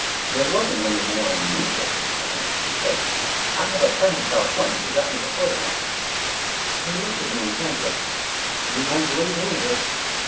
"There wasn't any more in the newspapers about it," he said. "I have a friend in California who got me the photographs." _He looked at me intently. "You won't believe any of this."